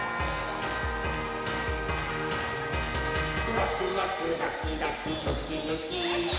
「ワクワクドキドキウキウキ」ウッキー！